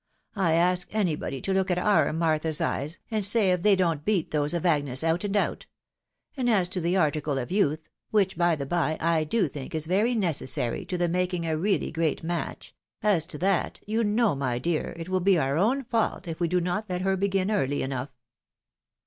I ask anybody to look at our Martha's eyes, and say if they don't beat those of Agnes out and out ; and as to the article of youth — which, by the by, I do think is very necessary to the making a really great match — as to that, you know my dear, it will be our own fault if we do not let her begin early enough."